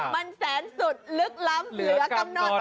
มันแสนสุดลึกล้ำเหลือกำหนด